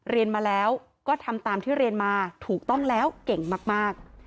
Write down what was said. เรียนมาแล้วก็ทำตามที่เรียนมาถูกต้องแล้วเก่งมาก